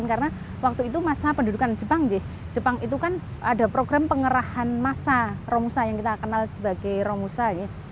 karena waktu itu masa pendudukan jepang jepang itu kan ada program pengerahan masa romusa yang kita kenal sebagai romusa